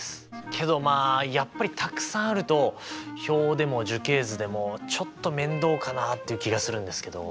けどまあやっぱりたくさんあると表でも樹形図でもちょっと面倒かなっていう気がするんですけど。